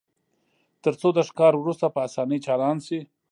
ترڅو د ښکار وروسته په اسانۍ چالان شي